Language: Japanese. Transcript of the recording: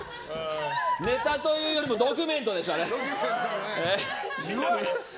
ネタというよりもドキュメントでしたね。